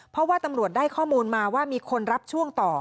เพราะว่าตำรวจได้ข้อมูลมาว่ามีคนรับช่วงต่อ